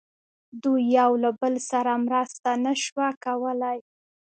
دوی یو له بل سره مرسته نه شوه کولای.